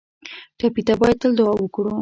ټپي ته باید تل دعا وکړو